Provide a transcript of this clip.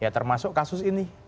termasuk kasus ini